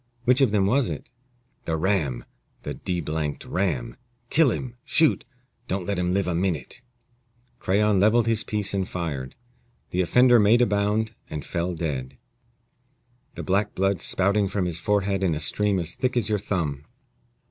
Which of them was it?" "The ram the d d black ram kill him shoot don't let him live a minute!" Crayon leveled his piece and fired. The offender made a bound and fell dead, the black blood spouting from his forehead in a stream as thick as your thumb.